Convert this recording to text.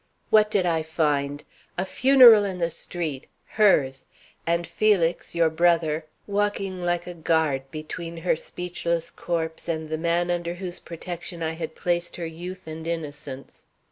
What did I find? A funeral in the streets hers and Felix, your brother, walking like a guard between her speechless corpse and the man under whose protection I had placed her youth and innocence.